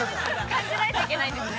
◆感じないといけないんですね。